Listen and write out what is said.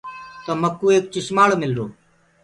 تو مڪوُ ايڪ چشمآݪو ملرو۔